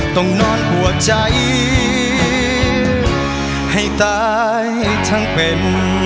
ต้องนอนหัวใจให้ตายทั้งเป็น